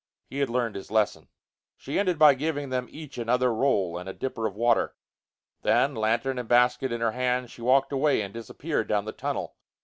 He had learned his lesson. She ended by giving them each another roll and a dipper of water. Then, lantern and basket in her hands, she walked away and disappeared down the tunnel.